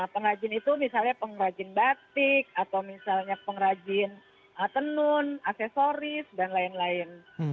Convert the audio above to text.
pengrajin itu misalnya pengrajin batik atau misalnya pengrajin tenun aksesoris dan lain lain